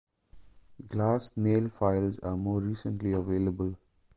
Glass nail files are more recently available.